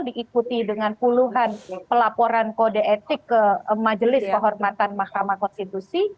diikuti dengan puluhan pelaporan kode etik ke majelis kehormatan mahkamah konstitusi